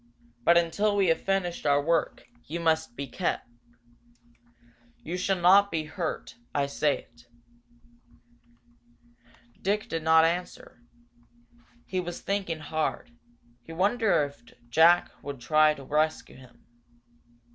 But until we have finished our work, you must be kept. You shall not be hurt I say it." Dick did not answer. He was thinking hard. He wondered if Jack would try to rescue him.